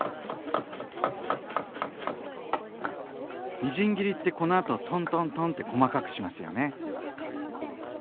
みじん切りってこのあとトントントンって細かくしますよね？